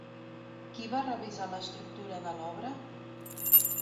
Qui va revisar l'estructura de l'obra?